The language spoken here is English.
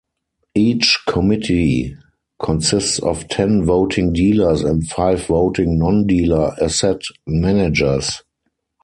Each committee consists of ten voting dealers and five voting non-dealer asset managers.